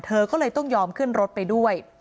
เธอก็เลยต้องยอมขึ้นรถไปด้วย